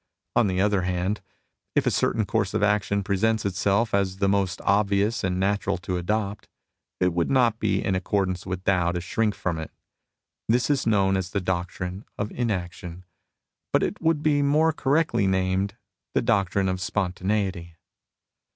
On the other hand, if a certain course of action presents itself as the most obvious and natural to adopt, it would not be in accordance with Tao to shrhik from it. This is known as the doctrine of inaction, but it would be more correctly named the doctrine of spontaneity.